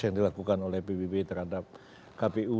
yang dilakukan oleh pbb terhadap kpu